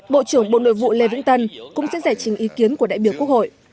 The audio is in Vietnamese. bộ trưởng bộ nội vụ lê vũng tân cũng sẽ giải trình ý kiến của đại biểu quốc hội